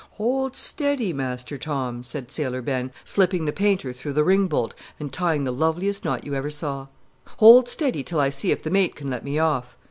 "Hold steady, Master Tom," said Sailor Ben, slipping the painter through the ringbolt and tying the loveliest knot you ever saw; "hold steady till I see if the mate can let me off.